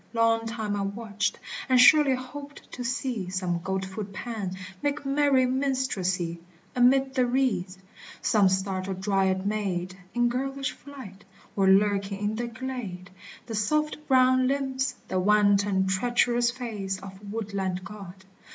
Long time I watched, and surely hoped to see Some goat foot Pan make merry minstrelsy Amid the reeds ! some startled Dryad maid In girlish flight ! or lurking in the glade, The soft brown limbs, the wanton treacherous face Of woodland god